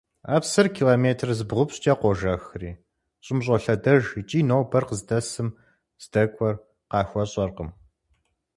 А псыр километр зыбгъупщӀкӀэ къожэхри, щӀым щӀолъэдэж икӏи нобэр къыздэсым здэкӀуэр къахуэщӀэркъым.